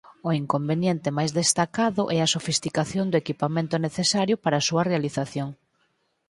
O inconveniente máis destacado é a sofisticación do equipamento necesario para a súa realización.